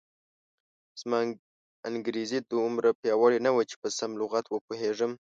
زما انګریزي دومره پیاوړې نه وه چې په سم لغت و پوهېږم.